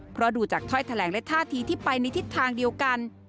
เพราะดูจากถ้อยแถลงและท่าทีที่ไปในทิศทางเดียวกัน